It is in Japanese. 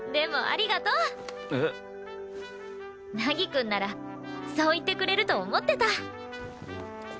凪くんならそう言ってくれると思ってた。